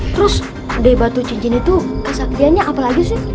terus dari batu cincin itu kesaktiannya apa lagi sih